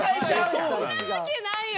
そんなわけないよ。